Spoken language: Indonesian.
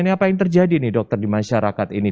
ini apa yang terjadi nih dokter di masyarakat ini